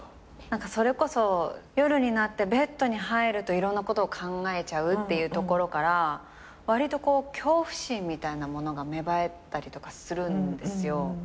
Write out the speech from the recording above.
何かそれこそ夜になってベッドに入るといろんなことを考えちゃうっていうところからわりと恐怖心みたいなものが芽生えたりとかするんですよ。